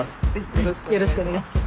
よろしくお願いします。